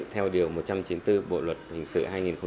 theo điều một trăm chín mươi bốn bộ luật hình sự